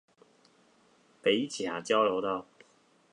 埤北交流道